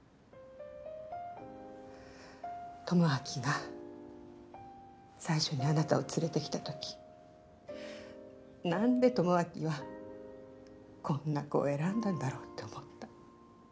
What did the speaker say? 智明が最初にあなたを連れてきた時なんで智明はこんな子を選んだんだろうと思った。